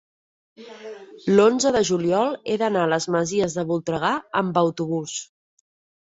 l'onze de juliol he d'anar a les Masies de Voltregà amb autobús.